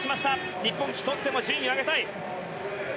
日本、１つでも順位を上げたい。